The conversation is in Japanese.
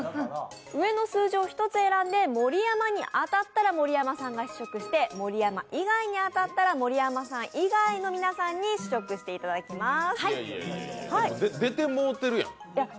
上の数字を１つ選んで盛山に当たったら盛山さんが試食して、盛山以外に当たった盛山以外の方に召し上がっていただきます。